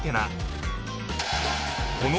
［この］